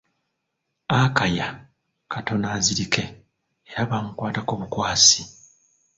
Akaya katono azzirike, era bamukwatako bukwasi!